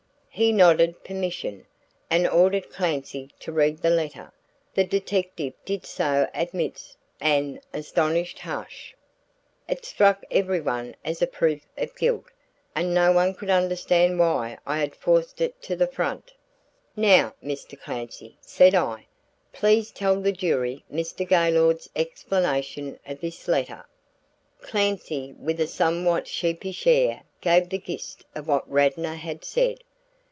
He nodded permission, and ordered Clancy to read the letter. The detective did so amidst an astonished hush. It struck everyone as a proof of guilt, and no one could understand why I had forced it to the front. "Now Mr. Clancy," said I, "please tell the jury Mr. Gaylord's explanation of this letter." Clancy with a somewhat sheepish air gave the gist of what Radnor had said.